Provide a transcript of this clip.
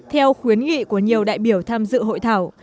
theo khuyến nghị của nhiều đại biểu tham dự hội thảo